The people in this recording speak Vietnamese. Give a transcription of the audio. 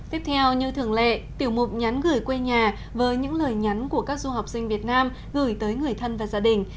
tiếp theo như thường lệ tiểu mục nhắn gửi quê nhà với những lời nhắn của các du học sinh việt nam gửi tới người thân và gia đình